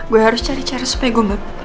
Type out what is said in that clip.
gue harus cari cara supaya gue nggak